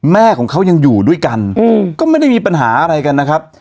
แม่ของเขายังอยู่ด้วยกันก็ไม่ได้มีปัญหาอะไรกันนะครับ